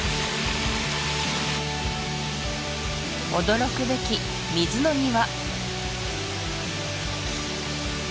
驚くべき水の庭！